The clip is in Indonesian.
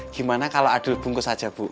gimana kalau adul bungkus saja bu